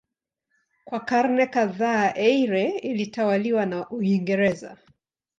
Kwa karne kadhaa Eire ilitawaliwa na Uingereza.